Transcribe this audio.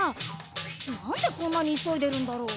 なんでこんなにいそいでるんだろう？